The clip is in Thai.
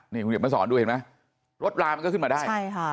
นี่คุณเดี๋ยวมาสอนดูเห็นไหมรถลามันก็ขึ้นมาได้ใช่ค่ะ